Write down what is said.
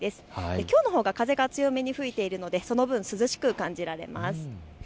きょうのほうが風が強めに吹いているのでその分、涼しく感じられます。